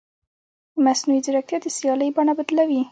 مصنوعي ځیرکتیا د سیالۍ بڼه بدلوي.